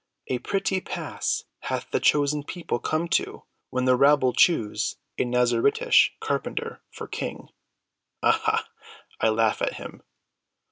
"A pretty pass hath the chosen people come to when the rabble choose a Nazaritish carpenter for King. Aha, I laugh at him!"